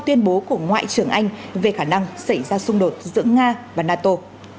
tuyên bố của ngoại trưởng anh về khả năng xảy ra xung đột giữa nga và nato